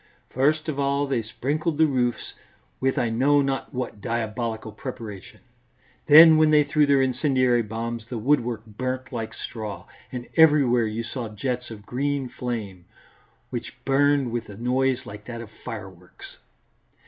"First of all they sprinkled the roofs with I know not what diabolical preparation; then, when they threw their incendiary bombs, the woodwork burnt like straw, and everywhere you saw jets of green flame which burned with a noise like that of fireworks."